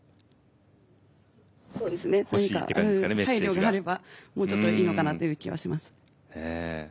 配慮があればもうちょっといいのかなという気はします。